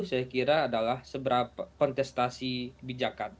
saya kira adalah seberapa kontestasi bijakan